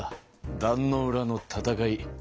壇ノ浦の戦い。